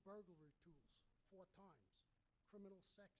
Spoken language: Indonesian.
ketiga perjalanan mudik